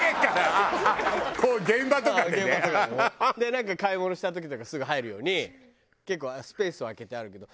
なんか買い物した時とかすぐ入るように結構スペースは空けてあるけど。